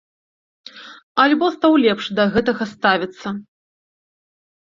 Альбо стаў лепш да гэтага ставіцца.